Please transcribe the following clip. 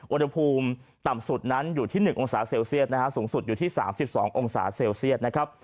อุณหภูมิต่ำสุดนั้นอยู่ที่๑องศาเซลเซียสนะฮะสูงสุดอยู่ที่๓๒องศาเซลเซียตนะครับ